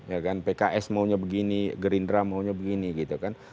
ya kan pks maunya begini gerindra maunya begini gitu kan